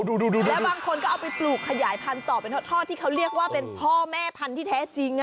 ดูแล้วบางคนก็เอาไปปลูกขยายพันธุ์ต่อเป็นทอดที่เขาเรียกว่าเป็นพ่อแม่พันธุ์ที่แท้จริง